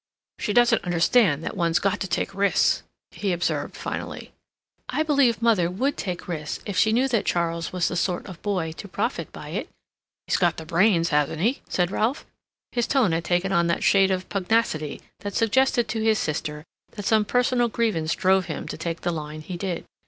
"She doesn't understand that one's got to take risks," he observed, finally. "I believe mother would take risks if she knew that Charles was the sort of boy to profit by it." "He's got brains, hasn't he?" said Ralph. His tone had taken on that shade of pugnacity which suggested to his sister that some personal grievance drove him to take the line he did.